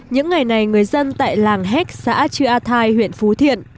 những ngày này người dân tại làng héc xã chư a thai huyện phú thiện